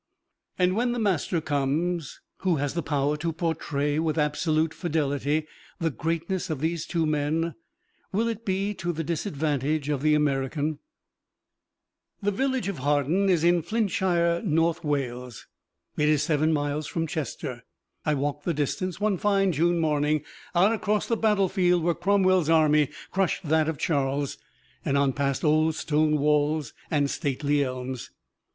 And when the master comes, who has the power to portray with absolute fidelity the greatness of these two men, will it be to the disadvantage of the American? The village of Hawarden is in Flintshire, North Wales. It is seven miles from Chester. I walked the distance one fine June morning out across the battlefield where Cromwell's army crushed that of Charles; and on past old stone walls and stately elms.